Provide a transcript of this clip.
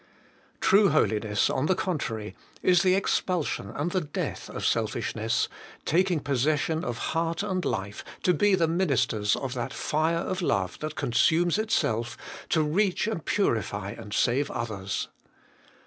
True holiness, on the contrary, is the expulsion and the death of selfishness, taking possession of heart and life to be the ministers of that fire of love that consumes itself, to reach and purify and save others.